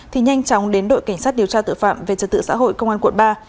thì nhanh chóng đến đội cảnh sát điều tra tội phạm về trật tự xã hội công an quận ba